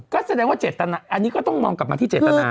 ก็แสดงว่าเจตนาอันนี้ก็ต้องมองกลับมาที่เจตนา